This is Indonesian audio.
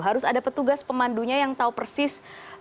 harus ada petugas pemandunya yang tahu persis